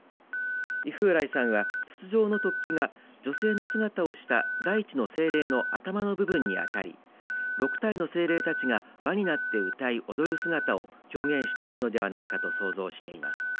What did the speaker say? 猪風来さんは筒状の突起が女性の姿をした大地の精霊の頭の部分に当たり６体の精霊たちが輪になって歌い踊る姿を表現しているのではないかと想像しています。